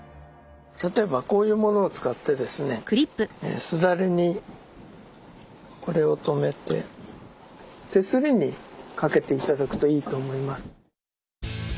例えばこういうものを使ってですねすだれにこれを留めて手すりに掛けて頂くといいと思います。